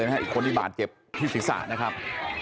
อีกคนมีบาดเจ็บที่ศิษย์ศาสตร์นะครับ